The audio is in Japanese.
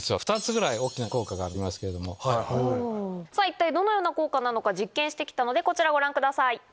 一体どのような効果なのか実験してきたのでご覧ください。